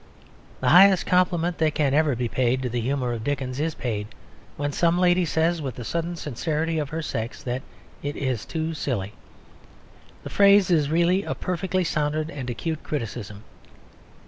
The highest compliment that can ever be paid to the humour of Dickens is paid when some lady says, with the sudden sincerity of her sex, that it is "too silly." The phrase is really a perfectly sound and acute criticism.